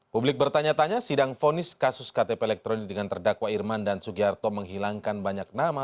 publik bertanya tanya sidang fonis kasus ktp elektronik dengan terdakwa irman dan sugiharto menghilangkan banyak nama